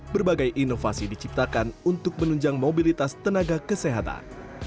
berbagai inovasi diciptakan untuk menunjang mobilitas tenaga kesehatan